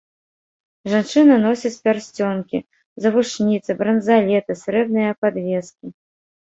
Жанчыны носяць пярсцёнкі, завушніцы, бранзалеты, срэбныя падвескі.